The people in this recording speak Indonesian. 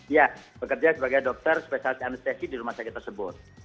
ya bekerja sebagai dokter spesialis anestesi di rumah sakit tersebut